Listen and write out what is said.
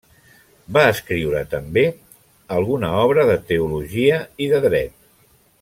Va escriure també alguna obra de teologia i de dret.